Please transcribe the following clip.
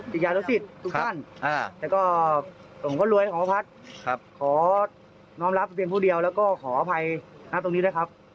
ติดยานเศรษฐศิษย์สุฆาณและก็หลวงพ่อรวยของพระพัทธ์ขอน้องรับเป็นผู้เดียวและขออภัยหน้าตรงนี้ได้ครับ